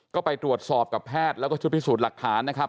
ก็ไปตรวจสอบกับแพทย์แล้วก็ชุดพิสูจน์หลักฐานนะครับ